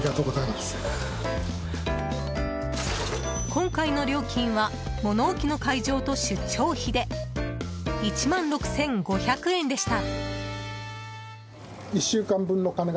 今回の料金は物置の解錠と出張費で１万６５００円でした。